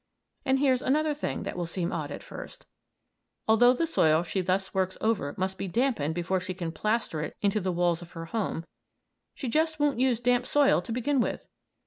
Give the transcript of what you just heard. And here's another thing that will seem odd at first; although the soil she thus works over must be dampened before she can plaster it into the walls of her home, she just won't use damp soil to begin with.